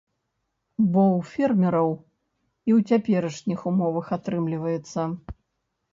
Бо ў фермераў і ў цяперашніх умовах атрымліваецца.